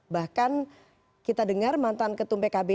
bahkan kita dengar mantan ketum pkb